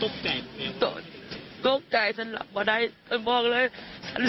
ไม่ถูกทำไมยังใดตากมนุม